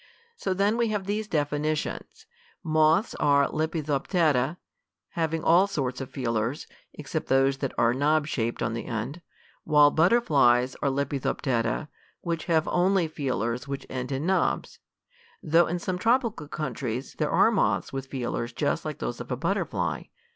So then we have these definitions: Moths are lepidoptera having all sorts of feelers, except those that are knob shaped on the end, while butterflies are lepidoptera which have only feelers which end in knobs. Though in some tropical countries there are moths with feelers just like those of a butterfly.